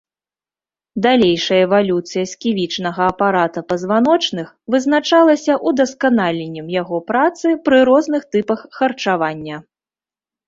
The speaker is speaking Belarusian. Далейшая эвалюцыя сківічнага апарата пазваночных вызначалася удасканаленнем яго працы пры розных тыпах харчавання.